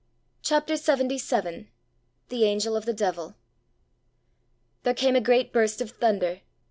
CHAPTER LXXVII. THE ANGEL OF THE DEVIL. There came a great burst of thunder.